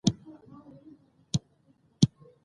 احمدشاه بابا د هېواد لپاره ستر پلانونه لرل.